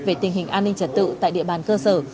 về tình hình an ninh trật tự tại địa bàn cơ sở